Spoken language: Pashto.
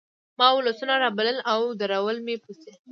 ما ولسونه رابلل او درول مې پسې